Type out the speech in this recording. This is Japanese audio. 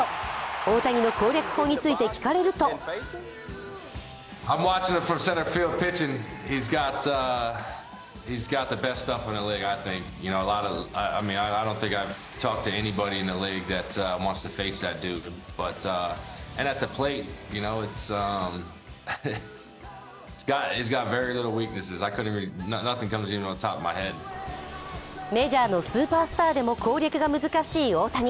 大谷の攻略法について聞かれるとメジャーのスーパースターでも攻略が難しい大谷。